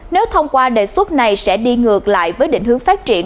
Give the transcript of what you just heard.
nếu thông qua đề xuất này sẽ đi ngược lại với định hướng phát triển